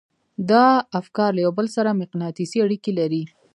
دا افکار له يو بل سره مقناطيسي اړيکې لري.